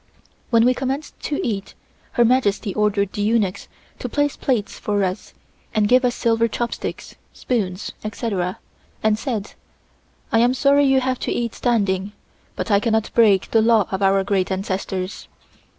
When we commenced to eat, Her Majesty ordered the eunuchs to place plates for us and give us silver chopsticks, spoons, etc., and said: "I am sorry you have to eat standing, but I cannot break the law of our great ancestors.